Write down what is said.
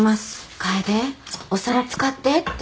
「楓お皿使って」って。